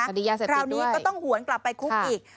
คราวนี้ก็ต้องหวนกลับไปคุกอีก